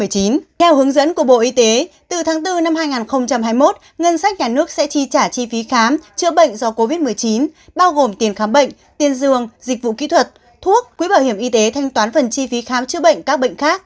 theo hướng dẫn của bộ y tế từ tháng bốn năm hai nghìn hai mươi một ngân sách nhà nước sẽ chi trả chi phí khám chữa bệnh do covid một mươi chín bao gồm tiền khám bệnh tiền dường dịch vụ kỹ thuật thuốc quỹ bảo hiểm y tế thanh toán phần chi phí khám chữa bệnh các bệnh khác